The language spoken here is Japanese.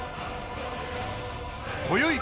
こよい